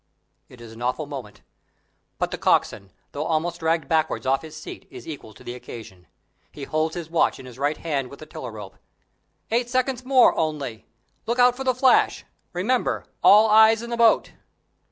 It is an awful moment. But the coxswain, though almost dragged backwards off his seat, is equal to the occasion. He holds his watch in his right hand with the tiller rope. "Eight seconds more only. Look out for the flash. Remember, all eyes in the boat."